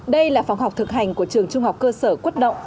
đây là phòng học thực hành của trường trung học cơ sở quất động